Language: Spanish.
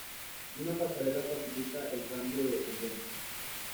Una pasarela facilita el cambio de andenes.